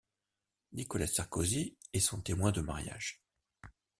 Nicolas Sarkozy est son témoin de mariage.